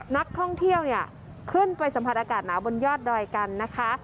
นักท่องเที่ยวเนี่ยขึ้นไปสัมผัสอากาศหนาวบนยอดดอยกันนะคะ